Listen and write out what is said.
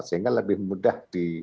sehingga lebih mudah